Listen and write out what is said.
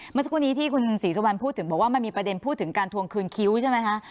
เมื่อสักครู่นี้ที่คุณศรีสุวรรณพูดถึงบอกว่ามันมีประเด็นพูดถึงการทวงคืนคิ้วใช่ไหมคะ